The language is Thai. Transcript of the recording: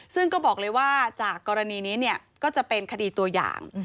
ซึ่งก็บอกเลยว่าจากกรณีนี้ก็จะเป็นคดีตัวอย่าง